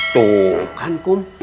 tuh kan kum